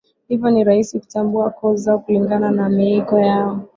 hivyo ni rahisi kutambua koo zao kulingana na miiko yao